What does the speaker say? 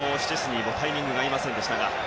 キーパーのシュチェスニーもタイミングが合いませんでしたが。